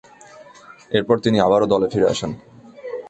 এরপর তিনি আবারও দলে ফিরে আসেন।